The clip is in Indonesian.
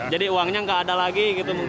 jadi uangnya tidak ada lagi